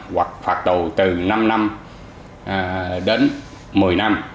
hoặc phạt tù từ năm năm đến một mươi năm